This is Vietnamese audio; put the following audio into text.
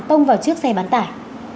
tông vào chiếc xe bán tải